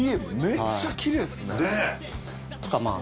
めっちゃきれいですねとかまあ